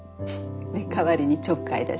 代わりにちょっかい出して。